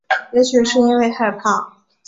也许是因为害怕